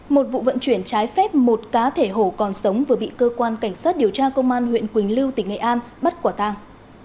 một vụ vận chuyển trái phép một cá thể hổ còn sống vừa bị cơ quan cảnh sát điều tra công an huyện quỳnh lưu tỉnh nghệ an bắt quả tàng